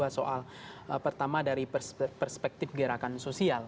soal pertama dari perspektif gerakan sosial